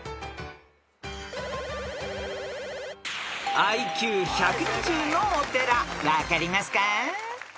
［ＩＱ１２０のお寺分かりますか？］